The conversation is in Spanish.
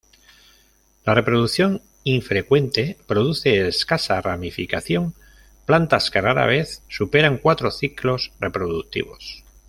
La reproducción infrecuente produce escasa ramificación, plantas que rara vez superan cuatro ciclos reproductivos.